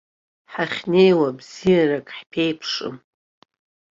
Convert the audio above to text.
Ҳахьнеиуа бзиарак ҳԥеиԥшым!